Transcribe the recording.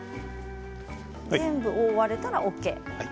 全部覆われたらＯＫ。